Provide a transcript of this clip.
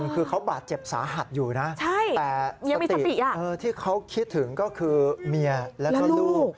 คือเขาบาดเจ็บสาหัสอยู่นะแต่สติที่เขาคิดถึงก็คือเมียแล้วก็ลูก